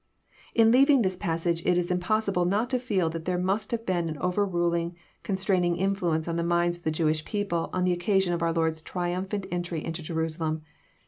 In leaving this passage it is impossible not to feel that there must have been an overruling, constraining influence on the minds of the Jewish people on the occasion of our Lord's trium phant entry into Jerusalem.